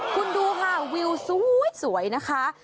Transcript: คุณดูค่ะวิวสวยนะคะ